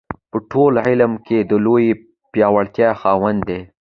په ټول عالم کې د لویې پیاوړتیا خاوند دی.